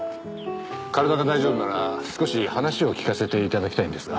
体が大丈夫なら少し話を聞かせて頂きたいんですが。